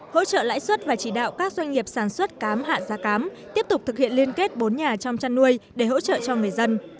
hỗ trợ lãi suất và chỉ đạo các doanh nghiệp sản xuất cám hạ giá cám tiếp tục thực hiện liên kết bốn nhà trong chăn nuôi để hỗ trợ cho người dân